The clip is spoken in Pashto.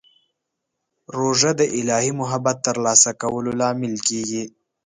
روژه د الهي محبت ترلاسه کولو لامل کېږي.